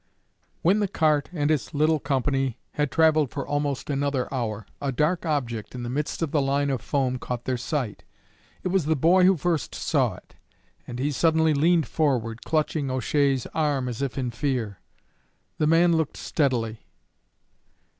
When the cart and its little company had travelled for almost another hour, a dark object in the midst of the line of foam caught their sight. It was the boy who first saw it, and he suddenly leaned forward, clutching O'Shea's arm as if in fear. The man looked steadily.